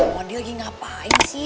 emang dia lagi ngapain sih